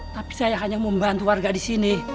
tapi saya hanya mau bantu warga disini